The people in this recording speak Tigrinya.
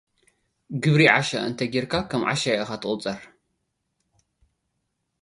ግብሪ ዓሻ እንተ ጌርካ ከም ዓሻ ኢካ እትቝጸር።